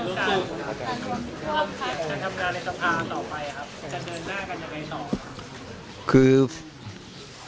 การทำหน้าในสัมภาษณ์ต่อไปครับจะเดินหน้ากันยังไงต่อ